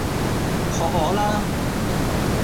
學我啦